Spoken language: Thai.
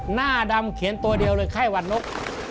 หน้าดำเขียนตัวเดียวเลยไข้หวัดนก